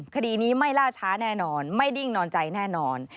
คดีนี้ไม่ล่าช้าแน่นอนไม่ดิ้งนอนใจแน่นอน